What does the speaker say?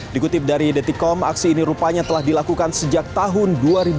dikutip dari detikom aksi ini rupanya telah dilakukan sejak tahun dua ribu dua puluh